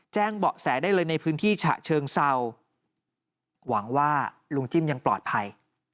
เบาะแสได้เลยในพื้นที่ฉะเชิงเศร้าหวังว่าลุงจิ้มยังปลอดภัย